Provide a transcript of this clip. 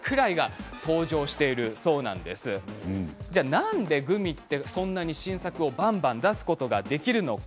なんでグミは新作をそんなにばんばん出すことができるのか。